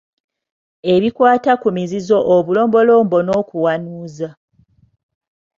Ebikwata ku mizizo obulombolombo n'okuwanuuza.